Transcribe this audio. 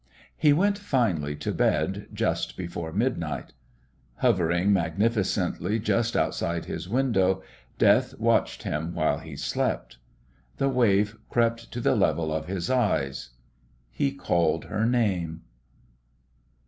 He went finally to bed, just before midnight. Hovering magnificently just outside his window, Death watched him while he slept. The wave crept to the level of his eyes. He called her name....